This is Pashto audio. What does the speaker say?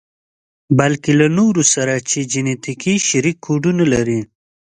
بلکې له نورو سره چې جنتیکي شريک کوډونه لري.